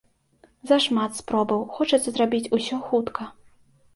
Зашмат спробаў, хочацца зрабіць усё хутка.